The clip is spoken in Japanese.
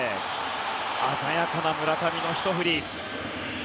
鮮やかな村上のひと振り。